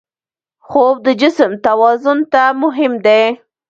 خوب د جسم توازن ته مهم دی